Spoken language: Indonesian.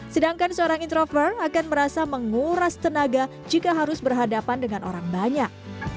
sedangkan seorang introvert akan merasa menguras tenaga jika harus berhadapan dengan orang banyak